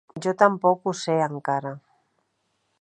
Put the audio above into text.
Jo tampoc ho sé encara.